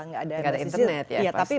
gak ada internet ya pasti